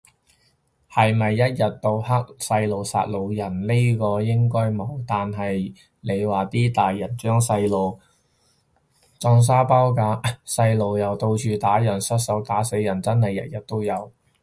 係咪一日到黑細路殺老人，呢個應該冇，但係你話啲大人將細路當沙包咁打，細路又到處打人失手打死人，真係日日都有